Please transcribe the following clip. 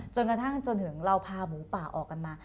จนถึงเราพาหมู่ป่าออกกันมา